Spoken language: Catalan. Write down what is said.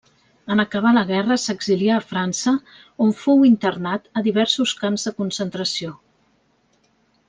En acabar la guerra, s'exilià a França, on fou internat a diversos camps de concentració.